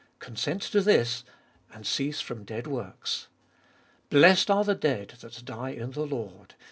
Consent to this, and cease from dead works. " Blessed are the dead that die in the Lord.